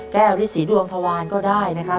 แก้ฤทธิ์ศรีดวงธวานก็ได้นะครับ